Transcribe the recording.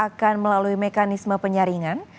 akan melalui mekanisme penyaringan